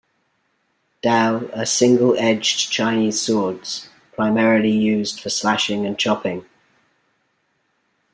Dao are single-edged Chinese swords, primarily used for slashing and chopping.